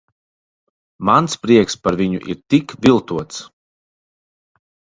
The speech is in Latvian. Mans prieks par viņu ir tik viltots.